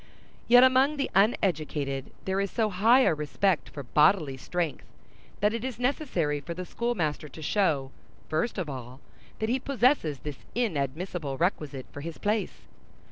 Yet among the uneducated there is so high a respect for bodily strength, that it is necessary for the schoolmaster to show, first of all, that he possesses this inadmissible requisite for his place.